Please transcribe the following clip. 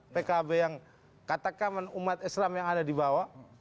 pkb yang katakan umat islam yang ada di bawah